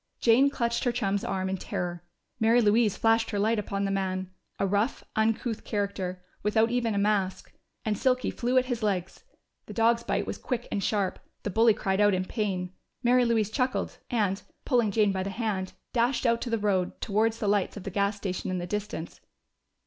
Jane clutched her chum's arm in terror; Mary Louise flashed her light upon the man a rough, uncouth character, without even a mask and Silky flew at his legs. The dog's bite was quick and sharp: the bully cried out in pain. Mary Louise chuckled and, pulling Jane by the hand, dashed out to the road, towards the lights of the gas station in the distance.